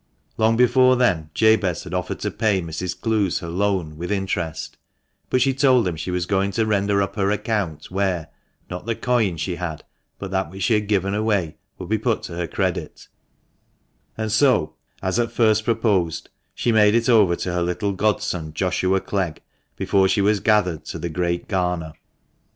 Long before then Jabez had offered to pay Mrs. Clowes her loan, with interest ; but she told him she was going to render up her account where, not the coin she had, but that which she had given away, would be put to her credit ; and so, as at first proposed, she made it over to her little godson, Joshua Clegg, before she was gathered to the great garner.